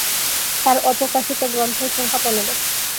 তার অপ্রকাশিত গ্রন্থের সংখ্যা পনেরো।